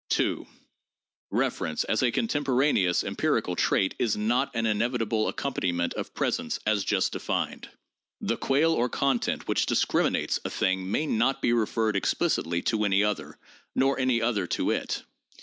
(2) Reference as a contemporaneous empirical trait is not an inevitable accompaniment of presence as just denned. The quale or content which discriminates a thing may not be referred explicitly to any other, nor any other to it.